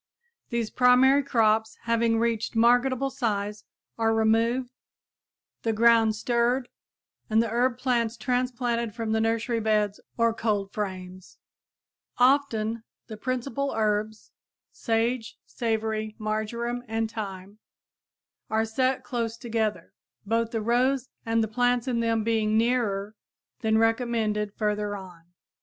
These primary crops, having reached marketable size, are removed, the ground stirred and the herb plants transplanted from nursery beds or cold frames. [Illustration: Thinning Scheme for Harvesting] Often the principal herbs sage, savory, marjoram and thyme are set close together, both the rows and the plants in them being nearer than recommended further on.